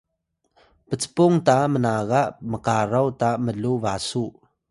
pcpung ta mnaga mkaraw ta mluw basu